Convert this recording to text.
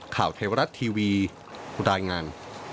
ข่าวเทวรัฐทีวีรายงาน